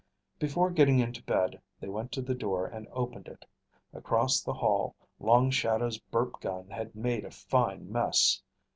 Before getting into bed, they went to the door and opened it. Across the hall, Long Shadow's burp gun had made a fine mess.